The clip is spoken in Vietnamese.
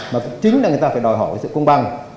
mà cũng chính là người ta phải đòi hỏi sự công bằng